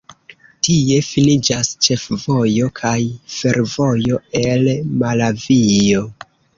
Tie finiĝas ĉefvojo kaj fervojo el Malavio.